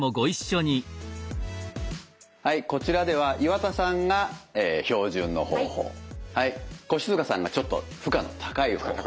はいこちらでは岩田さんが標準の方法はい越塚さんがちょっと負荷の高い方法